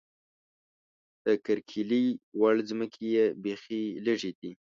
د کرکیلې وړ ځمکې یې بېخې لږې دي.